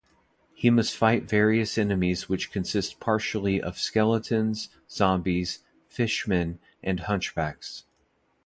He must fight various enemies which consist partially of skeletons, zombies, fishmen, and hunchbacks.